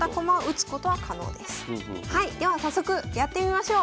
はいでは早速やってみましょう。